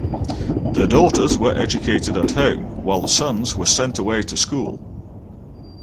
The daughters were educated at home while the sons were sent away to school.